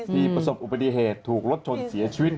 ประสบอุบัติเหตุถูกรถชนเสียชีวิต